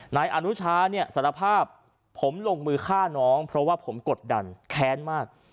นายอนุชาเนี่ยสารภาพผมลงมือฆ่าน้องเพราะว่าผมกดดันแค้นมาก